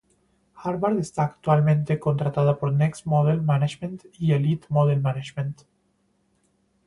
Harvard está actualmente contratada por Next Model Management y Elite Model Management.